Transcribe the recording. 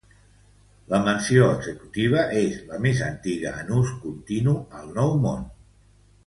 La Mansió Executiva és la més antiga en ús continu al Nou Món.